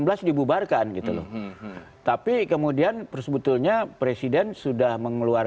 atau dalam keseluruhan penanganannya juga sebetulnya pemerintah ada yang mencari